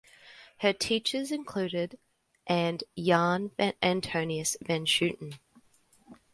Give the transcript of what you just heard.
Her teachers included and Jan Antonius van Schooten.